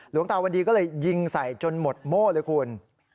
หลวงตาวันดีก็เลยยิงใส่จนหมดโม่เลยคุณ